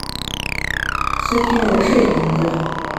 Sakkin d acu ay d-nniɣ?